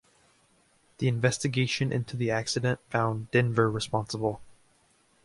The investigation into the accident found "Denver" responsible.